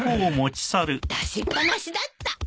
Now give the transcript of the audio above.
出しっぱなしだった。